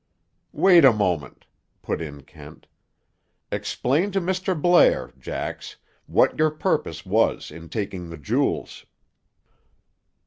"Wait a moment," put in Kent. "Explain to Mr. Blair, Jax, what your purpose was in taking the jewels."